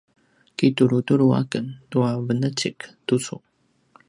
kitulutulu aken tua venecik tucu